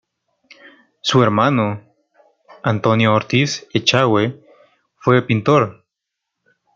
Su hermano, Antonio Ortiz Echagüe, fue pintor.